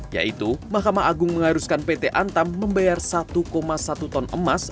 yaitu mahkamah agung mengharuskan pt antam membayar satu satu ton emas